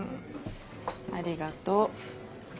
ありがとう。